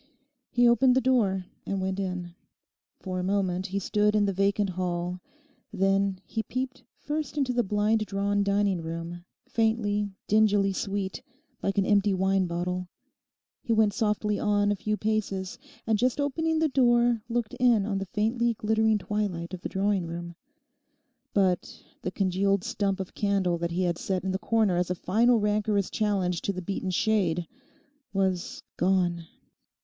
He opened the door and went in. For a moment he stood in the vacant hall; then he peeped first into the blind drawn dining room, faintly, dingily sweet, like an empty wine bottle. He went softly on a few paces and just opening the door looked in on the faintly glittering twilight of the drawing room. But the congealed stump of candle that he had set in the corner as a final rancorous challenge to the beaten Shade was gone.